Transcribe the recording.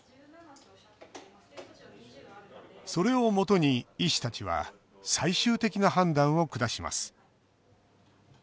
それをもとに医師たちは最終的な判断を下します。